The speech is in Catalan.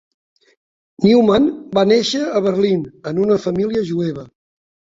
Neumann va néixer a Berlin, en una família jueva.